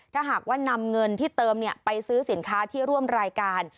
ถ้าหากว่านำเงินที่เติมไปซื้อสินค้าที่ร่วมรายการ